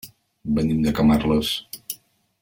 Venim de Camarles.